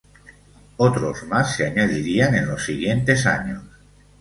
Otros más se añadirían en los siguientes años.